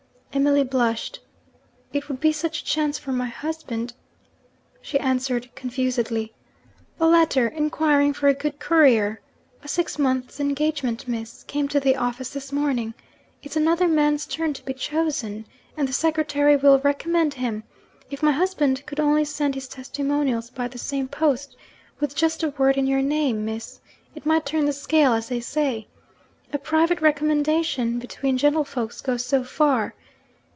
Emily blushed. 'It would be such a chance for my husband,' she answered confusedly. 'A letter, inquiring for a good courier (a six months' engagement, Miss!) came to the office this morning. It's another man's turn to be chosen and the secretary will recommend him. If my husband could only send his testimonials by the same post with just a word in your name, Miss it might turn the scale, as they say. A private recommendation between gentlefolks goes so far.'